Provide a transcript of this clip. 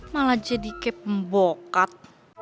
malah jadi kayak pembokat